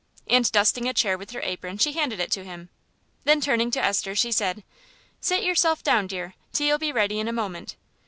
and dusting a chair with her apron, she handed it to him. Then turning to Esther, she said "Sit yourself down, dear; tea'll be ready in a moment."